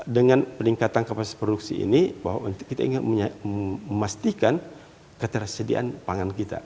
dengan peningkatan kapasitas produksi ini bahwa kita ingin memastikan ketersediaan pangan kita